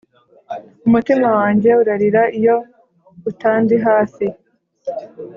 umutima wanjye urarira iyo utandi hafi